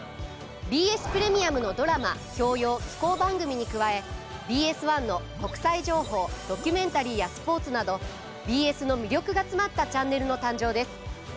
ＢＳプレミアムのドラマ教養紀行番組に加えＢＳ１の国際情報ドキュメンタリーやスポーツなどＢＳの魅力が詰まったチャンネルの誕生です。